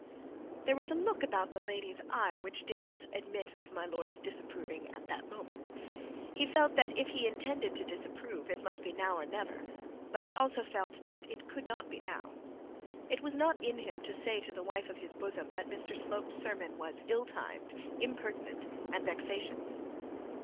There was a look about the lady's eye which did not admit of my lord's disapproving at that moment. He felt that if he intended to disapprove, it must be now or never; but he also felt that it could not be now. It was not in him to say to the wife of his bosom that Mr Slope's sermon was ill timed, impertinent and vexatious.